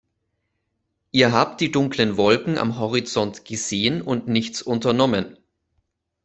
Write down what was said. Ihr habt die dunklen Wolken am Horizont gesehen und nichts unternommen.